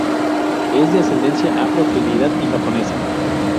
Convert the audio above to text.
Es de ascendencia Afro-Trinidad y Japonesa.